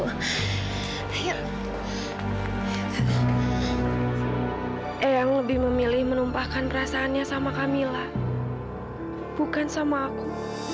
eh yang lebih memilih menumpahkan perasaannya sama kamila bukan sama aku